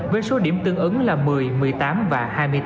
với số điểm tương ứng là một mươi một mươi tám và hai mươi tám